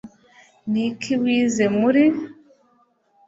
niki wize muri